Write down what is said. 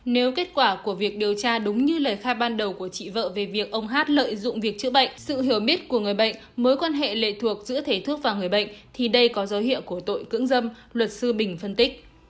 nếu kết quả của việc điều tra đúng như lời khai ban đầu của chị vợ về việc ông hát lợi dụng việc chữa bệnh sự hiểu biết của người bệnh mối quan hệ lệ thuộc giữa thể thức và người bệnh thì đây có dấu hiệu của tội cưỡng dâm luật sư bình phân tích